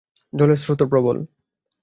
জলের স্রোতও প্রবল।